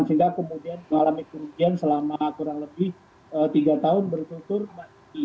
sehingga kemudian mengalami kerugian selama kurang lebih tiga tahun bertutur kembali